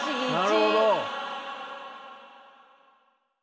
なるほど。